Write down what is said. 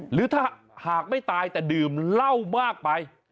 หรือถ้าหากไม่ตายแต่ดื่มเหล้ามากไป